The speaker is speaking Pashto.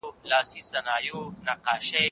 زه کولای سم پاکوالي وساتم،